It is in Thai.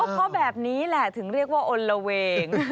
เพราะแบบนี้แหละถึงเรียกว่าอลละเวง